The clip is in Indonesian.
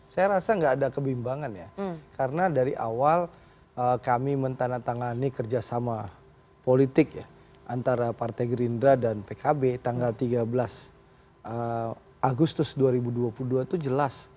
saya rasa nggak ada kebimbangan ya karena dari awal kami mentandatangani kerjasama politik ya antara partai gerindra dan pkb tanggal tiga belas agustus dua ribu dua puluh dua itu jelas